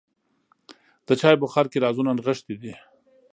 د چای بخار کې رازونه نغښتي دي.